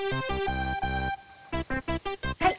はい。